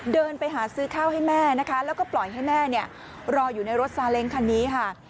เดินไปหาซื้อข้าวให้แม่นะคะแล้วก็ปล่อยให้แม่เนี่ยรออยู่ในรถซาเล้งคันนี้ค่ะ